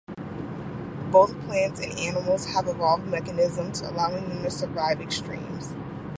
Both plants and animals have evolved mechanisms allowing them to survive extremes.